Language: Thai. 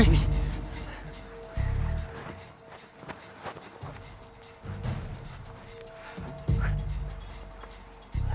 แรงปะ